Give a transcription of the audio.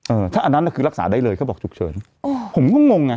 เออถ้าอันนั้นน่ะคือรักษาได้เลยเขาบอกฉุกเฉินอ๋อผมก็งงไง